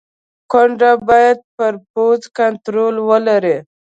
ګوند باید پر پوځ کنټرول ولري.